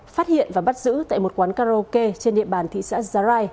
phát hiện và bắt giữ tại một quán karaoke trên địa bàn thị xã zarai